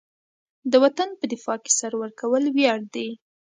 د وطن په دفاع کې سر ورکول ویاړ دی.